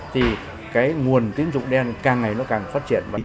thì cái nguồn tín dụng đen càng ngày nó càng phát triển